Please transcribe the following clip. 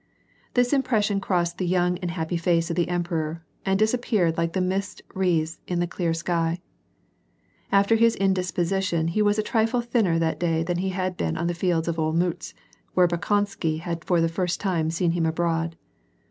This impression crossed the young and happy face of the emperor, and disappeared like the mist wreaths in the clear sky. After his indisposition he was a trifle thinner that day than he had been on the field of Olmutz where Bolkonsky had for the first time seen him abroad.